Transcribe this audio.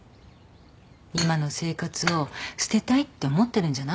今の生活を捨てたいって思ってるんじゃないの？